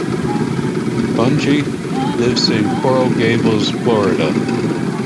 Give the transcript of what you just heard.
Bunge lives in Coral Gables, Florida.